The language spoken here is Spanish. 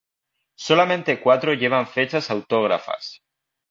Solamente cuatro llevan fechas autógrafas.